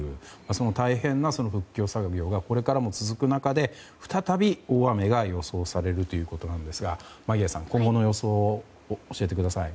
その大変な復旧作業がこれからも続く中で再び大雨が予想されるということですが眞家さん、今後の予想を教えてください。